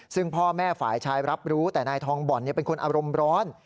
ซึ่งพ่อแม่ฝ่ายชายรับรู้แต่นายทองบ่อนเป็นคนอารมณ์ร้อน